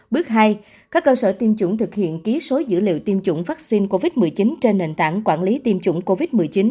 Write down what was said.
bước hai các cơ sở tiêm chủng thực hiện ký số dữ liệu tiêm chủng vaccine covid một mươi chín trên nền tảng quản lý tiêm chủng covid một mươi chín